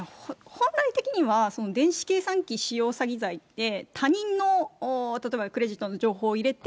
本来的には電子計算機使用詐欺罪って、他人の、例えばクレジットの情報を入れて、